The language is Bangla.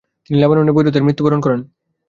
তিনি লেবাননের বৈরুতে মৃত্যুবরণ করেন।